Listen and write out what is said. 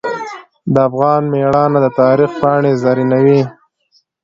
د افغان میړانه د تاریخ پاڼې زرینوي.